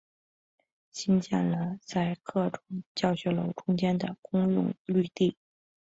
兴建了在各种教学楼中间的公用绿地。